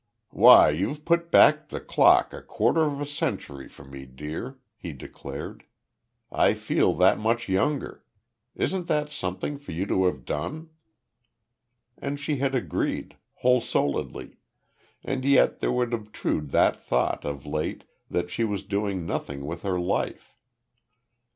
"Why, you've put back the clock a quarter of a century for me, dear," he declared. "I feel that much younger. Isn't that something for you to have done?" And she had agreed, wholesouledly; and yet, there would obtrude that thought, of late, that she was doing nothing with her life.